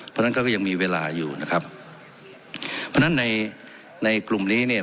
เพราะฉะนั้นก็ยังมีเวลาอยู่นะครับเพราะฉะนั้นในในกลุ่มนี้เนี่ย